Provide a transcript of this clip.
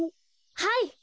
はい。